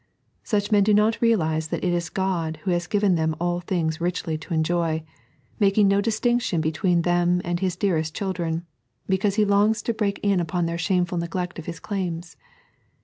Such men do not realize that it is God who has given them all things richly to enjoy, making no distinction between them and His dearest childien, because He longs to break in upon their shamefnl neglect of His claims.